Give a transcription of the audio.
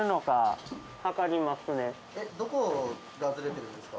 どこがズレてるんですか？